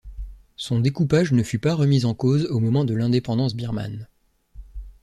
Son découpage ne fut pas remis en cause au moment de l'indépendance birmane.